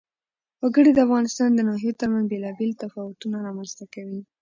وګړي د افغانستان د ناحیو ترمنځ بېلابېل تفاوتونه رامنځ ته کوي.